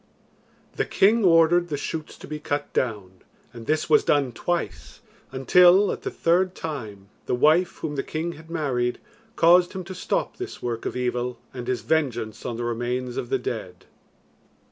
The king ordered the shoots to be cut down, and this was done twice, until, at the third time, the wife whom the king had married caused him to stop this work of evil and his vengeance on the remains of the dead.